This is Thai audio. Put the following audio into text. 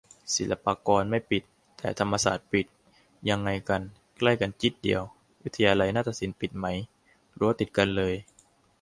ศิลปากรไม่ปิด แต่ธรรมศาสตร์ปิด ยังไงกัน ใกล้กันจิ๊ดเดียว วิทยาลัยนาฏศิลป์ปิดไหม ? รั้วติดกันเลย